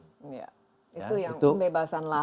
itu yang pembebasan lahan